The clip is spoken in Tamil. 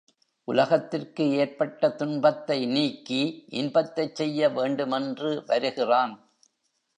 உலகத்திற்கு ஏற்பட்ட துன்பத்தை நீக்கி இன்பத்தைச் செய்ய வேண்டுமென்று வருகிறான்.